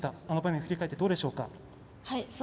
あの場面、振り返ってどうでしょうか？